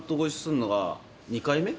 ２回目。